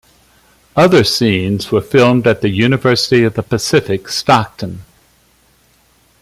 Other scenes were filmed at the University of the Pacific, Stockton.